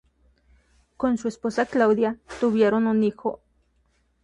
Con su esposa Claudia, tuvieron un hijo, Tommaso.